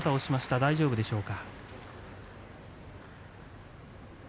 大丈夫でしょうか。